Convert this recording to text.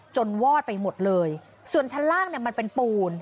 วอดไปหมดเลยส่วนชั้นล่างเนี่ยมันเป็นปูน